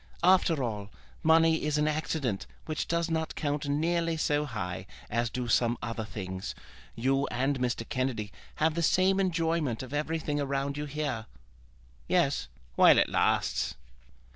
"After all, money is an accident which does not count nearly so high as do some other things. You and Mr. Kennedy have the same enjoyment of everything around you here." "Yes; while it lasts."